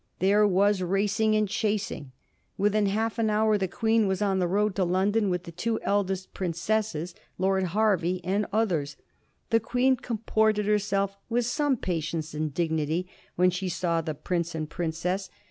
There was racing and chasing. Within half an hour the Queen was on the road to London with the two eldest princesses, Lord Hervey, and others. The Queen com ported herself with some patience and dignity when she saw the prince and princess.